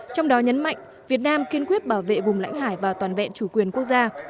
trong đó nhấn mạnh việt nam kiên quyết bảo vệ vùng lãnh hải và toàn vẹn chủ quyền quốc gia